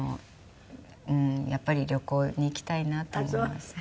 やっぱり旅行に行きたいなと思います。